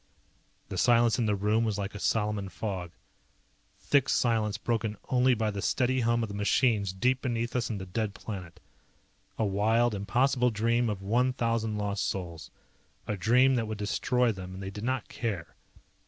The silence in the room was like a Salaman fog. Thick silence broken only by the steady hum of the machines deep beneath us in the dead planet. A wild, impossible dream of one thousand lost souls. A dream that would destroy them, and they did not care.